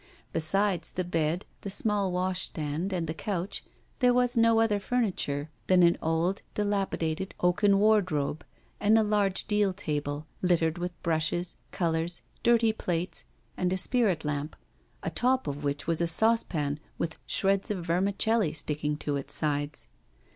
Besides the bed, the small washstand, and the couch, there was no other furniture than an old dilapidated oaken wardrobe and a large deal table, littered with brushes, colours, dirty plates, and a spirit lamp, atop of which was a saucepan, with shreds of vermicelli sticking to its sides.